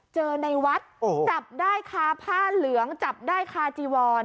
เจอในวัดโอ้โหจับได้ค่ะผ้าเหลืองจับได้ค่ะจีวอน